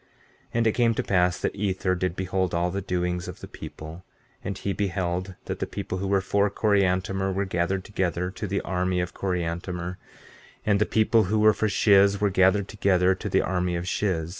15:13 And it came to pass that Ether did behold all the doings of the people; and he beheld that the people who were for Coriantumr were gathered together to the army of Coriantumr; and the people who were for Shiz were gathered together to the army of Shiz.